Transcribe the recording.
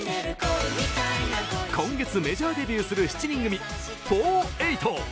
今月メジャーデビューする７人組フォーエイト４８！